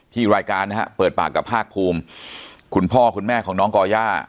รายการนะฮะเปิดปากกับภาคภูมิคุณพ่อคุณแม่ของน้องก่อย่า